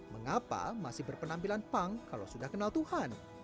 mengapa masih berpenampilan punk kalau sudah kenal tuhan